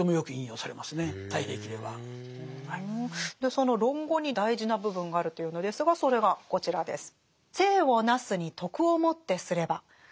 その「論語」に大事な部分があるというのですがそれがこちらです。